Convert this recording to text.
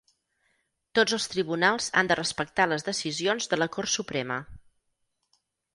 Tots els tribunals han de respectar les decisions de la Cort Suprema.